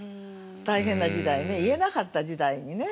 大変な時代ね言えなかった時代にね。